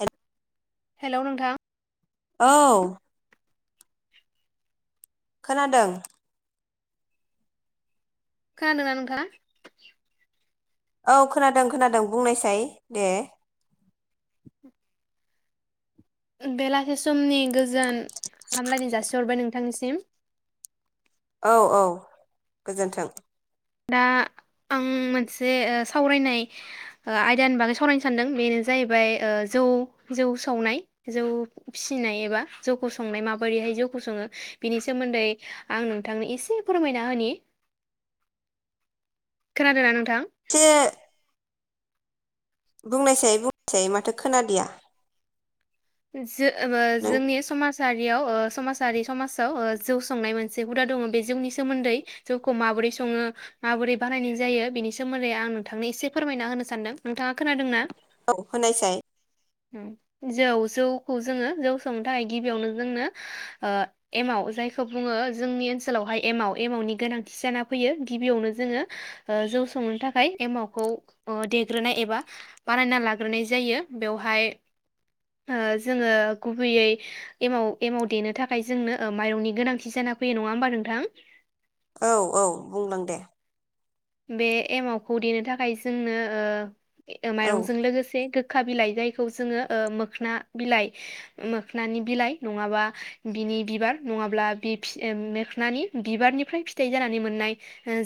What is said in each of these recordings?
हेल हेल' नोंथां औ खोनादों। खोनादों ना नोंथाङा? औ खोनादों खोनादों बुंनायसाय दे। बेलासे समनि गोजोन हामलायनाय जासिहरबाय नोंथांनिसिम। औ औ गोजोन्थों। दा आं मोनसे ओ सावरायनाय ओ आयदानि बागै सावरायनो सानदों बेनो जाहैबाय ओ जौ जौ सावनाय जौ फिसिनाय एबा जौखौ संनाय माबोरैहाय जौखौ सङो बिनि सोमोन्दै आं नोंथांनो एसे फोरमायना होनि। खोनादों ना नोंथां? खे बुंनायसाय बुंनायसाय माथो खोनादिया। जो ओ नों जोंनि समाज समाजारियाव ओ समाजारि समाजाव ओ जौ संनाय मोनसे हुदा दङ बे जौनि सोमोन्दै जौखौ माबोरै सङो माबोरै बानायनाय जायो बेनि सोमोन्दै आं नोंथांनो एसे फोरमायना होनो सानदों । नोंथाङा खोनादोंना? औ होनायसाय उम जौ जौखौ जोङो जौ संनो थाखाय गिबियावनो जोंनो ओ एमाव जायखौ बुङो जोंनि ओनसोलावहाय एमाव एमावनि गोनांथि जाना फैयो गिबियावनो जोङो जौ संनो थाखाय एमावखौ देग्रोनाय एबा बानायना लाग्रोनाय जायो बेवहाय ओ जोङो गुबैयै एमाव एमाव देनो थाखाय जोंनो ओ माइरंनि गोनांथि जाना फैयो नङा होमबा नोंथां? औ औ बुंलां दे। बे एमावखौ देनो थाखाय जोंनो ओ औ माइरंजों लोगोसे गोख गोखा बिलाइ जायखौ जोङो ओ मोखना बिलाइ मोखनानि बिलाइ नङाबा बिनि बिबार नङाब्ला बि फि ओ मोखनानि बिबारनिफ्राय फिथाइ जानानै मोननाय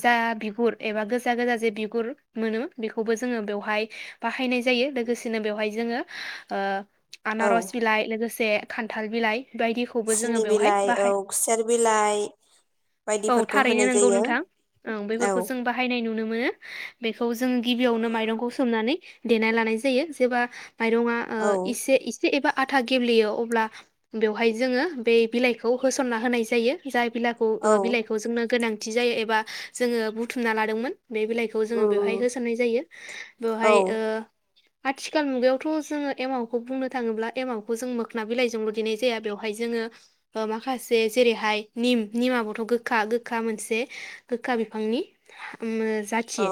जा बिगुर एबा गोजा गोजा जे बिगुर मोनो बेखौबो जोङो बेवहाय बाहायनाय जायो लोगोसेनो बेवहाय जोङो ओ औ आनारस बिलाइ लोगोसे खान्थाल बिलाइ बायदिखौबो जोङो सिनि बेवहाय बिलाइ औ बाहाय खुसेर बिलाइ औ बायदिफोरखौ थारैनो होनाय नंगौ जायो नोंथां ओं औ बेफोरखौ जों बाहायनाय नुनो मोनो बेखौ जों गिबियावनो माइरंखौ सोमनानै देना लानाय जायो । जेब्ला माइरं आ औ ओ एसे एसे एबा आधा गेब्लेयो अब्ला बेवहाय जोङो बे बिलाइखौ होसनना होनाय जायो जाय बिलाखौ औ बिलाइखौ जोंनो गोनां थि जायो एबा जोङो बु बुथुमना लादोंमोन बे बिलाइखौ जोङो उम बेवहाय उम होसननाय जायो । बेवहाय औ ओ आथिखाल मुगायावथ जोङो एमावखौ बुंनो थाङोब्ला एमावखौ जों मोखोना बिलाइजोंल देनाय जाया बेवहाय जोङो माखासे जेरैहाय निम निमाबोथ गोखा-गोखा मोनसे गोखा बिफांनि उम मो अ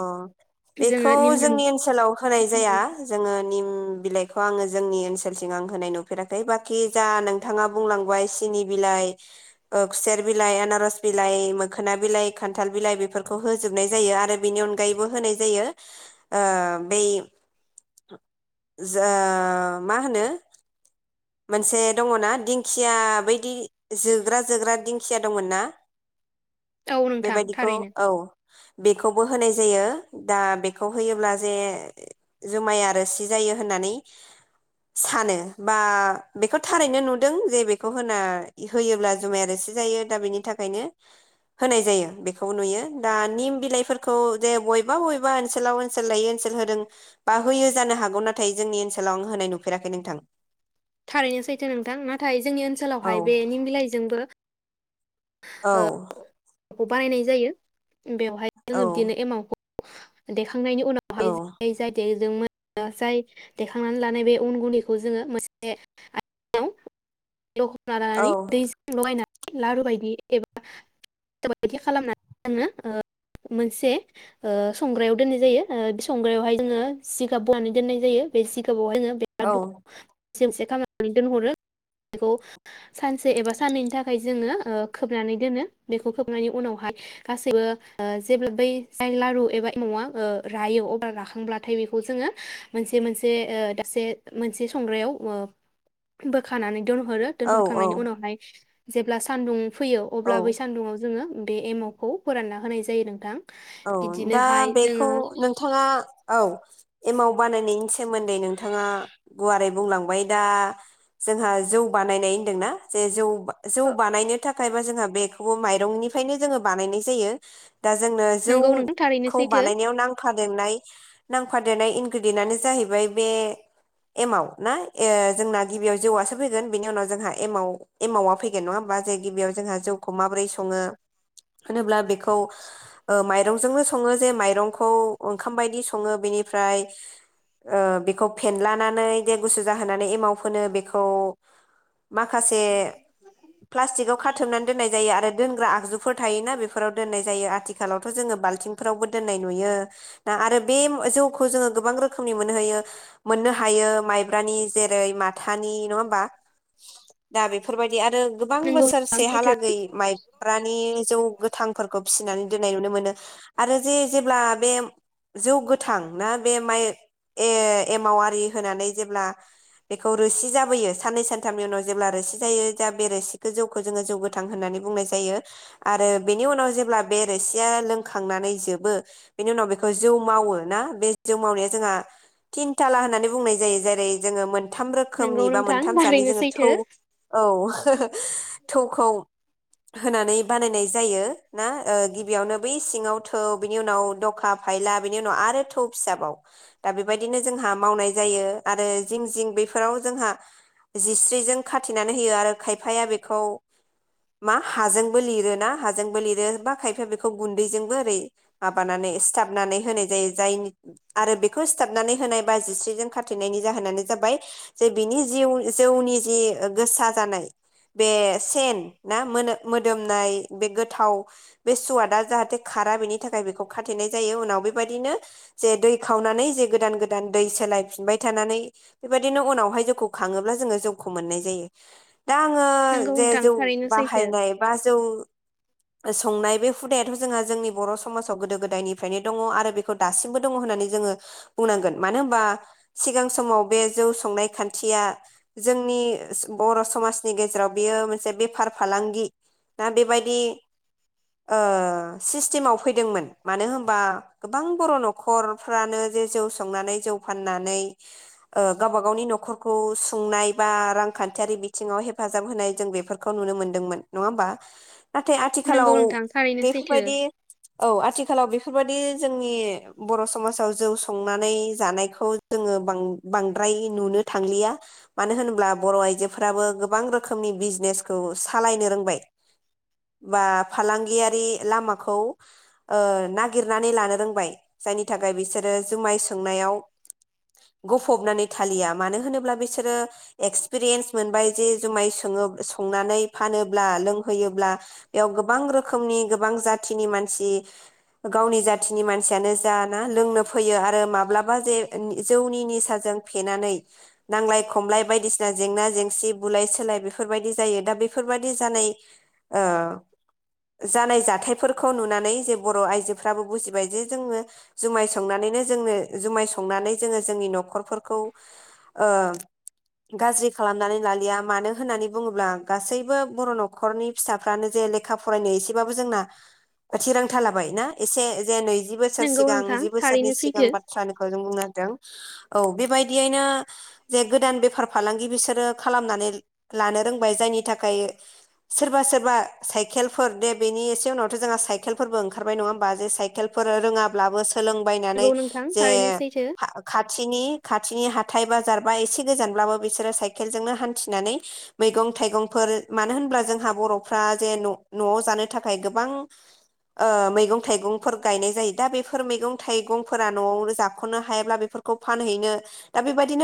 बेखौ जोंनि ओनसोलाव होनाय जाया जोङो निम बिलाइखौ आङो जोंनि ओनसोलथिं आं होनाय नुफेराखै बाखि जा नोंथाङा बुंलांबाय सिनि बिलाइ ओ खुसेर बिलाइ आनारस बिलाइ मोखोना बिलाइ खान्थाल बिलाइ बेफोरखौ होजोबनाय जायो आरो बेनि अनगायैबो होनाय जायो ओ बै जो मा होनो मोनसे दङ ना दिंखिया बायदि जोग्रा जोग्रा दिंखिया दंमोन ना औ नोंथां बेबायदिखौ थारैनो औ बेखौबो होनाय जायो दा बेखौ होयोब्ला जे जुमाया रोसि जायो होननानै सानो बा बेखौ थारैनो नुदों जे बेखौ होना होयोब्ला जुमाया रोसि जायो दा बेनि थाखायनो होनाय जायो बेखौ नुयो दा निम बिलाइफोरखौ जे बबेबा बबेबा ओनसोलाव ओनसोल लायै ओनसोल होदों बा होयो जानो हागौ नाथाय जोंनि ओनसोलाव आं होनाय नुफेराखै नोंथां थारैनो सैथो नोंथां नाथाय जोंनि औ ओनसोलावहाय बे निम बिलाइजोंबो औ खौ बानायनाय जायो बेवहाय औ जोङो बिदिनो एमावखौ देखा खांनायनि औ उनावहाय जाय दे जोंमोन ओ जाय देखांनानै लानाय बे उन गुन्दैखौ जोङो मोनसे आ लखबना औ लानानै दैजों लगायना लारु बायदि एबा [unintelligible] खालामनानै जोङो ओ मोनसे संग्रायाव दोननाय जायो ओ बे संग्रायावहाय जोङो जिगाब बनानै दोननाय जायो बे जिगाब औ । [unintelligible] सेमसे खालामनानै दोनहरो बेखौ सानसे एबा साननैनि थाखाय जोङो ओ खोबनानै दोनो बेखौ खोबनायनि उनावहाय गासैबो ओ जेब्ला बै जाय लारु एबा एमावा रायो अब्ला राखांब्लाथाय बेखौ जोङो मोनसे मोनसे ओ दाबसे मोनसे संग्रायाववो बो खानानै दोनहरो औ दोनहरखांनायनि उनावहाय जेब्ला सान्दुं फैयो अब्ला औ बै सान्दुङाव जोङो बे एमावखौ फोरानना होनाय जायो नोंथां औ दा बिदिनोहाय बेखौ जोङो नोंथाङा औ एमाव बानायनायनि सोमोन्दै नोंथाङा गुवारै बुंलांबाय दा जोंहा जौ बानायनाय होनदोंना जे जौ बा जौ बानायनो थाखा खायबा जोंहा बेखौबो माइरंनिफ्रायनो जोङो बानायनाय जायो दा जों जौ नोंगौ नोंथां थारैनो खौ सैथो बानायनायाव नांफादेरनाय नांफादेरनाय इनग्रेडयेन्टनो जाहैबाय बे एमाव ना ओ जोंना गिबियाव जौवासो फैगोन बेनि उनाव जोंहा एमाव एमावा फैगोन नङा होमबा जे गिबियाव जोंहा जौखौ माबोरै सङो होनोब्ला बेखौ औ माइरंजोंनो सङो जे माइंखौ ओंखाम बायदि सङो बेनिफ्राय ओ बेखौ फनलानानै दे गुसु जाहोनानै एमाव फोनो बेखौ माखासे प्लास्टिकाव खाथुमनानै दोननाय जायो आरो दोनग्रा आगजुफोर थायोना बेफोराव दोननाय जायो आथि खालावथ जोङो बाल्थिंफोरावबो दोननाय नुयो दा आरो बे जौखौ जोङो गोबां रोखोमनि मोननो हयो मोननो हायो माइब्रानि जेरै माथानि नङा होमबा दा बेफोरबायदि आरो गोबां नोंगौ नोंथां सैथो बोसोरसेहालागै माइब्रानि जौ गोथांफोरखौ फिसिनानै नो आरो जे-जेल्बा बे जौ गोथां ना बे माइ ए-एमाव आरि होनानै जेब्ला बेखौ रो सि जाबोयो साननै सानथामनि उनाव जेब्ला रोसि जायो जा बे रोसिखौ जौखौ जोङो जौ गोथां होननानै बुंनाय जायो आरो बेनि उनाव जेब्ला बे रोसिया लोंखांनानै जोबो बेनि उनाव बेखौ जौ मावो ना बे जौ मावनाया जोंहा थिनथाला होननानै बुंनाय जायो जेरै जोङो मोनथाम नोंगौ रोखोमनि बा नोंथां मोनथाम जानि थारैनो जोङो सैथो थौ औ थौखौ होनानै बानायनाय जायो ना? ओ गिबियावनो बै सिङाव थौ बिनि उनाव दखा फायला बेनि उनाव आरो थौ फिसाबाव दा बेबायदिनो जोंहा मावनाय जायो आरो जिं जिं बेफोराव जोंहा जिस्रिजों खाथिनानै होयो आरो खायफाया बेखौ मा हाजोंबो लिरोना हाजोंबो लिरो बा खायफा बेखौ गुन्दैजोंबो ओरै माबानानै सिथाबनानै होनाय जायो जाय आरो बेखौ सिथाबनानै होनाय बा जिस्रिजों खाथेनायनि जाहोनानो जाबाय जे बिनि जिउ जौनि जि गोसा जानाय बे सेन ना मोदोमनाय बे गोथाव बे सुवादा जाहाथे खारा बेनि थाखाय बेखौ खाथेनाय जायो उनाव बेबायदिनो जे दै खावनानै जे गोदान गोदान दै सोलायफिनबाय थानानै बेबायदिनो उनावहाय जौखौ खाङोब्ला जोङो जौखौ मोननाय जायो। दा आङो नोंगौ जे नोंथां जौ थारैनो सैथो बाहायनाय बा जौ संनाय बे हुदायाथ जोंहा जोंनि बर समाजाव गोदो गोदायनिफ्रायनो दङ आरो बेखौ दासिमबो दङ होननानै जोङो बुंनांगोन मानो होनबा सिगां समाव बे जौ संनाय खान्थिया जोंनि बर समाजनि गेजेराव बियो मोनसे बेफार फालांगि दा बेबायदि सिस्टेमाव फैदोंमोन मानो होनबा गोबां बर नखरफ्रानो जे जौ संनानै जौ फाननानै गावबा ओ गावनि नखरखौ सुंनाय बा रांखान्थियारि बिथिङाव हेफाजाब होनाय जों बेफोरखौ नुनो मोनदोंमोन नङा होमबा? नाथाय नोंगौ आथिखालाव नोंथां थारैनो सैथो। बेफोरबायदि औ आथिखालाव बेफोरबायदि जोंनि बर समाजाव जौ संनानै जानायखौ जोङो बां-बांद्राय नुनो थांलिया मानो होनोब्ला बर आइजोफोराबो गोबां रोखोमनि बिजनेसखौ सालायनो रोंबाय बा फालांगि आरि लामाखौ नागिरनानै लानो रोंबाय जायनि थाखाय बिसोरो जुमाय सोंनायाव गफबनानै थालिया मानो होनोब्ला बिसोरो एक्सपिरियेन्स मोनबाय जे जुमाय स-संनानै फानोब्ला लोंहोयोब्ला बेयाव गोबां रो खोमनि गोबां जाथिनि मानसि गावनि जाथिनि मानसियानो जा ना लोंनो फैयो आरो माब्लाबा जे जौनि निसाजों फेनानै नांलाय खमलाय बायदिसिना जेंना जेंसि बुलाय सुलाय बेफोरबायदि जायो दा बेफोरबायदि जानाय जानाय जाथायफोरखौ नुनानै जे बर आइजोफ्राबो बुजिबाय जे जोङो जुमाय संनानैनो जोंनो जुमाय संनानै जोङो जोंनि नखरफोरखौ ओ गाज्रि खालामनानै लालिया मानो होननानै बुङोब्ला गासैबो बर नखरनि फिसाफ्रानो जे लेखा फरायनो एसेबाबो जोंना थिरांथा लाबाय ना एसे जे नै जि बोसोर नोंगौ सिगां नोंथां जि बोसोरनि थारैनो सिगां सैथो बाथ्रानिखौ जों बुंनो औ बेबायदियैनो जे गोदान बेफार फालांगि बिसोरो खालामनानै लानो रोंबाय जायनि थाखाय सोरबा सोरबा सा इकेलफोर दे बेनि एसे उनावथ जोंहा साइकेलफोरबो ओंखारबाय नङा होमबाे साइकेलफोर रोङाब्लाबो सोलोंबायनानै नोंगौ नोंथां जे थारैनो सैथो खाथिनि खाथिनि हा थाय बाजार बा एसे गोजानब्लाबो बिसोरो साइकेलजोंनो हान्थिनानै मैगं थाइगंफोर मानो होनब्ला जोंहा बर'फ्रा जे नआव जानो थाखाय गोबां ओ मैगं थाइगंफोर गायनाय जायो दा बेफोर मैगं थाइगंफोरा नआवनो जाखनो हायाब्ला बेफोरखौ फानहैनो दा बेबायदिनो